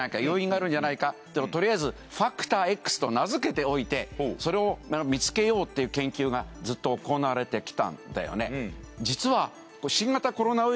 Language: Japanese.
要因があるんじゃないかというのをとりあえずファクターＸと名づけておいてそれを見つけようっていう研究がずっと行われてきたんだよね。